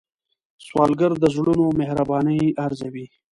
سوالګر د زړونو مهرباني ارزوي